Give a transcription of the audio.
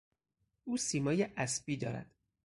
او سیمای اسبی دارد.